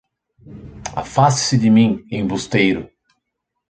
Afaste-se de mim, embusteiro